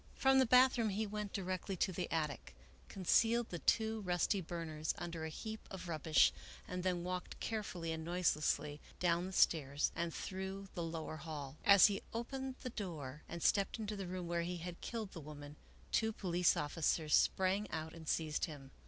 From the bathroom he went directly to the attic, concealed the two rusty burners under a heap of rubbish, and then walked carefully and noiselessly down the stairs and through the lower hall. As he opened the door and stepped into the room where he had killed the woman, two police officers sprang out and seized him.